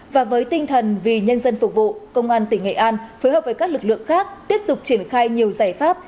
và với tinh thần vì nhân dân phục vụ công an tỉnh nghệ an phối hợp với các lực lượng khác tiếp tục triển khai nhiều giải pháp